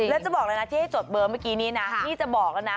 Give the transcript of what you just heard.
แล้วจะบอกเลยนะที่ให้จดเบอร์เมื่อกี้นี้นะนี่จะบอกแล้วนะ